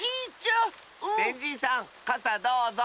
ベンじいさんかさどうぞ。